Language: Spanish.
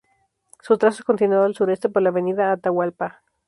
Su trazo es continuado al sureste por la avenida Atahualpa.